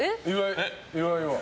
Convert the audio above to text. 岩井は？